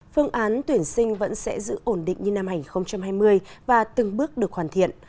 phương án tuyển sinh vẫn sẽ giữ ổn định như năm hai nghìn hai mươi và từng bước được hoàn thiện